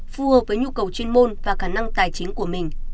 phù hợp với nhu cầu chuyên môn và khả năng tài chính của mình